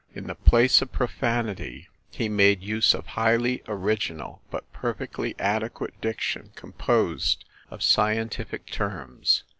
In the place of pro fanity, he made use of a highly original but perfectly adequate diction composed of scientific terms.